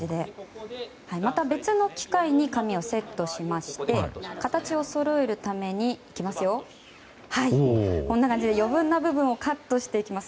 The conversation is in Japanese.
また別の機械に紙をセットしまして形をそろえるためにこんな感じで余分な部分をカットしていきます。